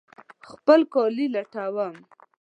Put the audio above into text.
خپل کالي لټوم